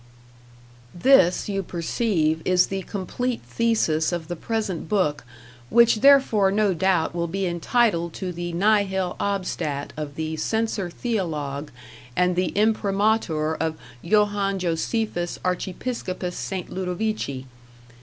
This, you perceive, is the complete thesis of the present book, which therefore no doubt will be entitled to the "Nihil Obstat" of the "Censor Theolog.", and the "Imprimatur" of "Johannes Josephus, Archiepiscopus Sti. Ludovici."